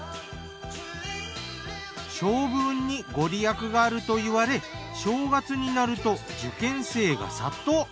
勝負運にご利益があるといわれ正月になると受験生が殺到。